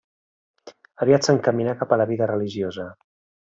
Aviat s'encaminà cap a la vida religiosa.